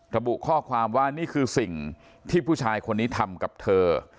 ระบุข้อความว่านี่คือสิ่งที่ผู้ชายคนนี้ทำกับเธอ